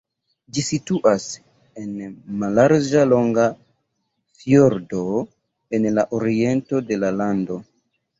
Ĝi situas en mallarĝa longa fjordo en la oriento de la lando.